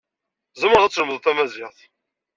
Tzemred ad tlemded tamaziɣt.